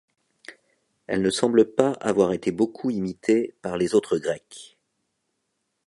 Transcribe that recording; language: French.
Elle ne semble pas avoir été beaucoup imitée par les autres Grecs.